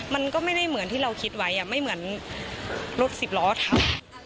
มันก็ไม่ได้เหมือนที่เราคิดไว้ไม่เหมือนรถสิบล้อทำ